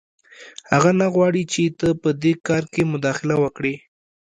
هغه نه غواړي چې ته په دې کار کې مداخله وکړې